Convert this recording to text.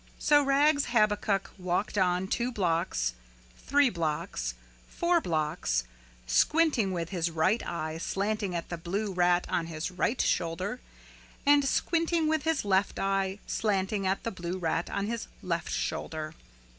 So Rags Habakuk walked on two blocks, three blocks, four blocks, squinting with his right eye slanting at the blue rat on his right shoulder and squinting with his left eye slanting at the blue rat on his left shoulder.